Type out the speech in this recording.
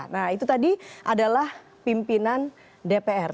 nah itu tadi adalah pimpinan dpr